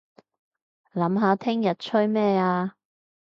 諗下聽日吹咩吖